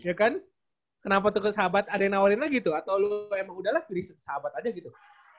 ya kan kenapa tuh ke sahabat adena walina gitu atau lu emang udah lah jadi sahabat aja gitu